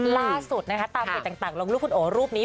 ล่าสุดตามเมื่อกีษต่างลงรูปคุณโอรูปนี้